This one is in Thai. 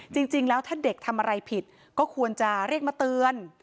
จริงแล้วถ้าเด็กทำอะไรผิดก็ควรจะเรียกมาเตือน